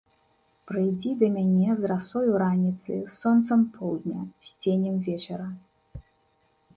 Прыйдзі да мяне з расою раніцы, з сонцам поўдня, з ценем вечара.